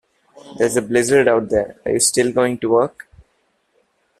There's a blizzard out there, are you still going to work?